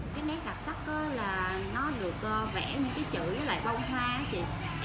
cái nét đặc sắc là nó được vẽ những cái chữ với lại bông hoa